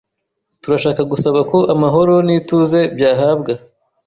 Turashaka gusaba ko amahoro n'ituze byahabwa